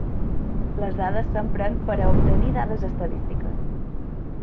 Les dades s'empren per a obtenir dades estadístiques.